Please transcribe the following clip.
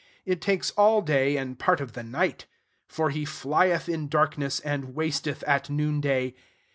It takes all day and part of the night. For he flieth in darkness, and wasteth at noonday.